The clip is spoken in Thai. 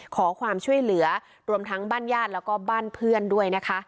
ขอความช่วยเหลือรวมทั้งบ้านญาติแล้วก็บ้านเพื่อนด้วยนะคะ